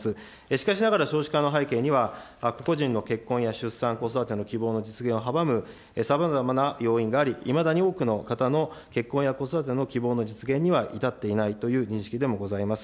しかしながら少子化の背景には、個々人の結婚や出産、子育ての希望の実現を阻むさまざまな要因があり、いまだに多くの方の結婚や子育ての希望の実現には至っていないという認識でもございます。